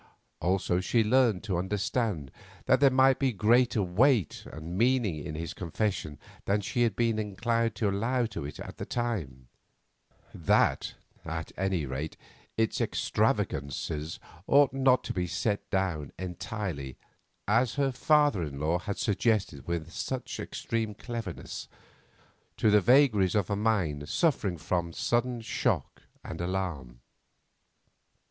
Also, she learned to understand that there might be greater weight and meaning in his confession than she had been inclined to allow to it at the time; that, at any rate, its extravagances ought not to be set down entirely, as her father in law had suggested with such extreme cleverness, to the vagaries of a mind suffering from sudden shock and alarm.